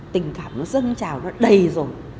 tình cảm nó dâng trào nó đầy rồi